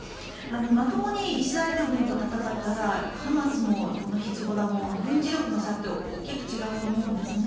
まともにイスラエル軍と戦ったらハマスもヒズボラも軍事力の差は大きく違うと思うんですね。